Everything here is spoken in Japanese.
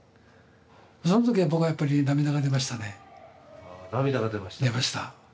そのときは、僕はやっぱり涙が出ましたね。